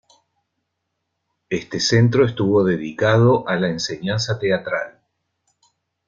Este centro estuvo dedicado a la enseñanza teatral.